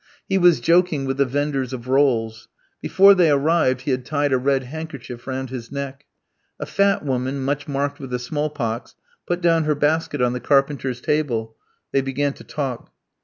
He was joking with the vendors of rolls. Before they arrived he had tied a red handkerchief round his neck. A fat woman, much marked with the small pox, put down her basket on the carpenter's table. They began to talk.